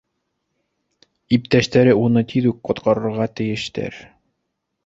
Иптәштәре уны тиҙ үк ҡотҡарырға тейештәр.